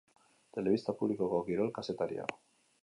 Telebista publikoko kirol kazetaria.